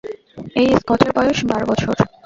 এই স্কচের বয়স বারো বছর!